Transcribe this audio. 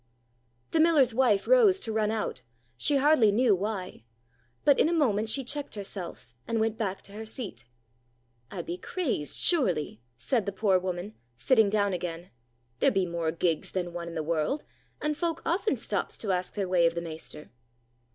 The miller's wife rose to run out, she hardly knew why. But in a moment she checked herself, and went back to her seat. "I be crazed, surely," said the poor woman, sitting down again. "There be more gigs than one in the world, and folk often stops to ask their way of the maester."